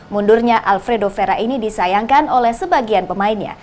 mundurnya alfredo vera ini disayangkan oleh sebagian pemainnya